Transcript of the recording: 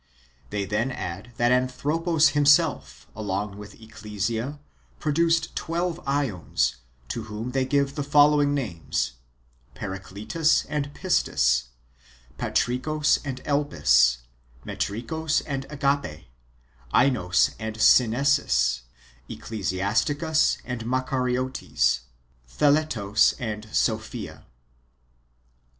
They then add that Anthropos himself, along with Ecclesia, produced twelve iEons, to whom they give the following names : Paracletus and Pistis, Patricos and Elpis, Metricos and Agape, Ainos and Synesis, Eccle siasticus and Macariotes, Theletos and Sophia.